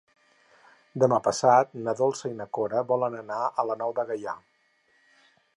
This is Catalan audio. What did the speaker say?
Demà passat na Dolça i na Cora volen anar a la Nou de Gaià.